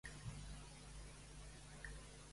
Lo cotxe passava pel número dènou del carrer Sant Blai.